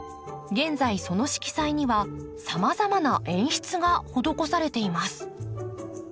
現在その色彩にはさまざまな演出が施されています。